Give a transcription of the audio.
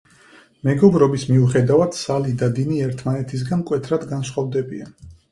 მეგობრობის მიუხედავად, სალი და დინი ერთმანეთისგან მკვეთრად განსხვავდებიან.